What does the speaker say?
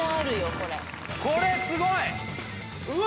これこれすごいうわ！